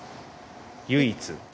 唯一？